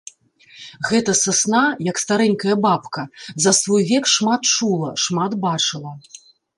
Гэта сасна, як старэнькая бабка, за свой век шмат чула, шмат бачыла.